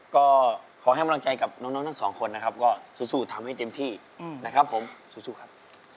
ก็ขอให้กำลังใจกับน้องทั้งสองคนนะครับก็สู้ทำให้เต็มที่นะครับผมสู้ครับ